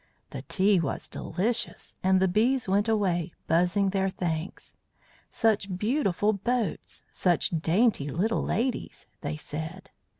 The tea was delicious, and the bees went away, buzzing their thanks. "Such beautiful boats! Such dainty little ladies!" they said.